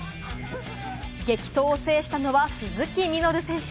激闘を制したのは鈴木みのる選手。